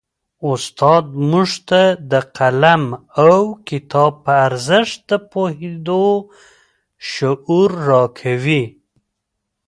استاد موږ ته د قلم او کتاب په ارزښت د پوهېدو شعور راکوي.